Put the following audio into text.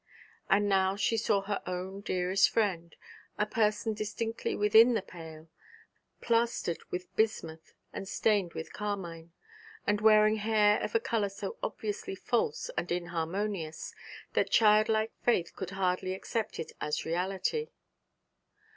And now she saw her own dearest friend, a person distinctly within the pale, plastered with bismuth and stained with carmine, and wearing hair of a colour so obviously false and inharmonious, that child like faith could hardly accept it as reality.